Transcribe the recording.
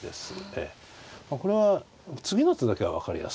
これは次の手だけは分かりやすい。